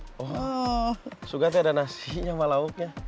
oh sugati ada nasinya sama lauknya